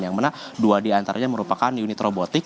yang mana dua diantaranya merupakan unit robotik